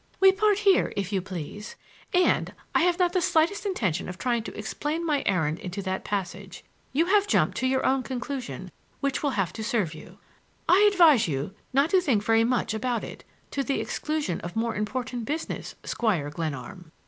"We part here, if you please! And—I have not the slightest intention of trying to explain my errand into that passage. You have jumped to your own conclusion, which will have to serve you. I advise you not to think very much about it,—to the exclusion of more important business,—Squire Glenarm!"